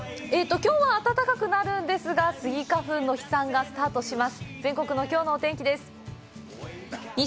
きょうは暖かくなるんですが、スギ花粉の飛散がスタートします。